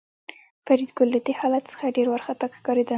فریدګل له دې حالت څخه ډېر وارخطا ښکارېده